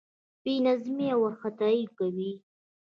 بې نظمي او وارخطايي کوي.